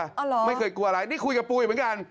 เหรอไม่เคยกลัวอะไรนี่คุยกับปุ๋ยเหมือนกัน